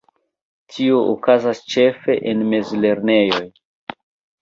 Tio okazas ĉefe en mezlernejoj.